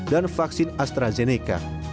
dan vaksin astrazeneca